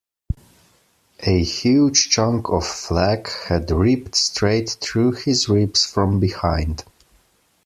A huge chunk of flak had ripped straight through his ribs from behind.